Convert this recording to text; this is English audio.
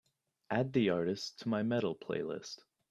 Add the artist to my Metal playlist.